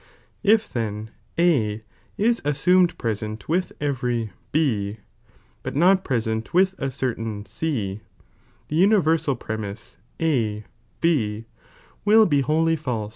If then A is assumed present with erery B, but not present with a certain C, the universal pre mise A B will be wholly fal.